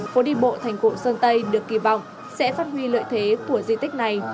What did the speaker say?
phố đi bộ thành phố sơn tây được kỳ vọng sẽ phát huy lợi thế của di tích này